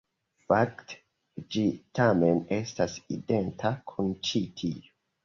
Fakte ĝi tamen estas identa kun ĉi tiu.